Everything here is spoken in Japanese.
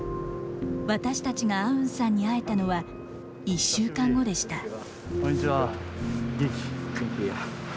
私たちがアウンさんに会えたのは、１週間後でした。